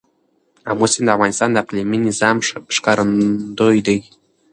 آمو سیند د افغانستان د اقلیمي نظام ښکارندوی دی.